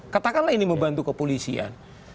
katakanlah ini membantu kepolisian